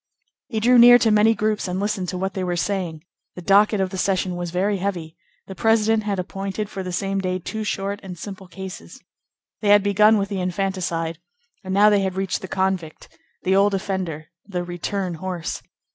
He drew near to many groups and listened to what they were saying. The docket of the session was very heavy; the president had appointed for the same day two short and simple cases. They had begun with the infanticide, and now they had reached the convict, the old offender, the "return horse."